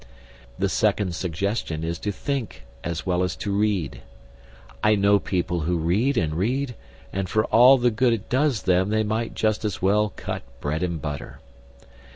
The second suggestion is to think as well as to read. I know people who read and read, and for all the good it does them they might just as well cut bread and butter.